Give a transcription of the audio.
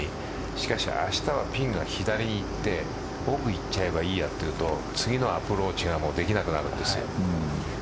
しかし明日はピンが左にいって奥にいっちゃえばいいやというと次のアプローチができなくなるんですよ。